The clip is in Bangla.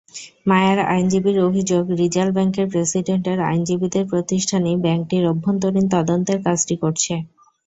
মায়ার আইনজীবীর অভিযোগ, রিজাল ব্যাংকের প্রেসিডেন্টের আইনজীবীদের প্রতিষ্ঠানই ব্যাংকটির অভ্যন্তরীণ তদন্তের কাজটি করছে।